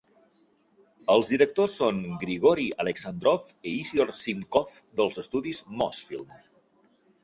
Els directors són Grigori Aleksandrov i Isidor Simkov dels estudis Mosfilm.